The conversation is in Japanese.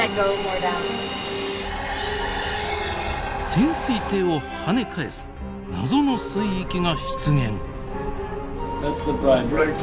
潜水艇をはね返す謎の水域が出現！